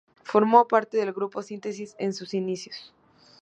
Formó parte del Grupo Síntesis en sus inicios.